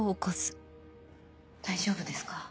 大丈夫ですか？